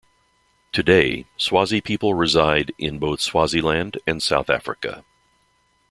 Today, Swazi people reside in both Swaziland and South Africa.